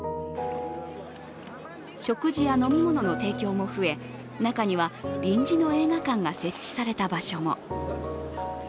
食事や飲み物の提供も増え、中には臨時の映画館が設置された場所も。